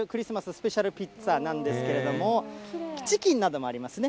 スペシャルピッツァなんですけれども、チキンなどもありますね。